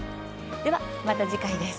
ではまた次回です。